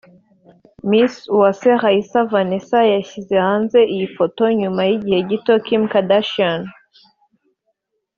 Miss Uwase Raissa Vanessa yashyize hanze iyi foto nyuma y’igihe gito Kim Kardashian